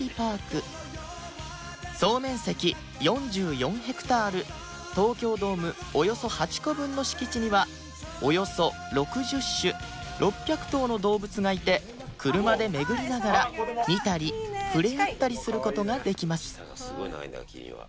総面積４４ヘクタール東京ドームおよそ８個分の敷地にはおよそ６０種６００頭の動物がいて車で巡りながら見たり触れ合ったりする事ができます